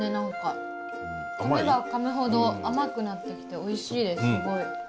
かめばかむほど甘くなってきておいしいですすごい。